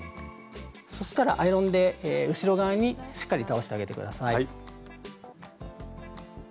そしたらアイロンで後ろ側にしっかり倒してあげて下さい。